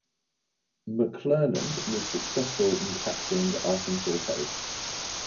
McClernand was successful in capturing Arkansas Post.